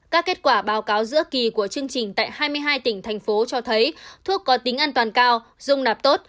các kết quả báo cáo giữa kỳ của chương trình tại hai mươi hai tỉnh thành phố cho thấy thuốc có tính an toàn cao dung nạp tốt